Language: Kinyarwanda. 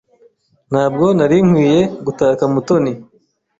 Ntabwo nari nkwiye gutaka Mutoni.